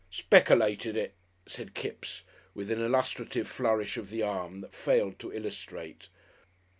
"Speckylated it!" said Kipps, with an illustrative flourish of the arm, that failed to illustrate.